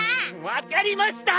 分かりました！